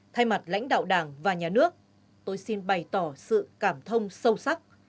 thay mặt lãnh đạo đảng và nhà nước tôi xin bày tỏ sự cảm thông sâu sắc